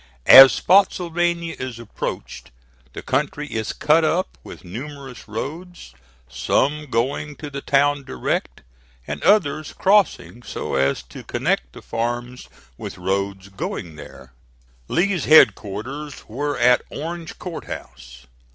As Spottsylvania is approached the country is cut up with numerous roads, some going to the town direct, and others crossing so as to connect the farms with roads going there. Lee's headquarters were at Orange Court House.